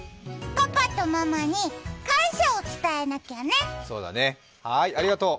パパとママに感謝を伝えなきゃね！